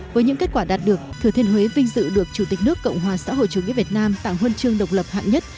với những kết quả đạt được thừa thiên huế vinh dự được chủ tịch nước cộng hòa xã hội chủ nghĩa việt nam tặng huân chương độc lập hạng nhất